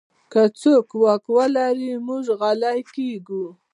که څوک واک ولري، موږ غلی کېږو.